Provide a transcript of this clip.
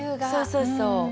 そうそうそう。